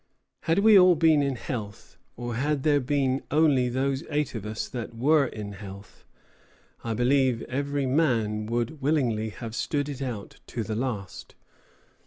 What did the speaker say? "Had we all been in health, or had there been only those eight of us that were in health, I believe every man would willingly have stood it out to the last.